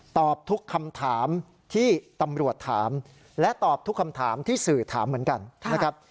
ตอบทุกคำถามที่ตำรวจถามและตอบทุกคำถามที่สื่อถามเหมือนกันนะครับ